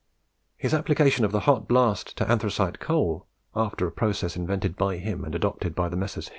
His application of the hot blast to anthracite coal, after a process invented by him and adopted by the Messrs.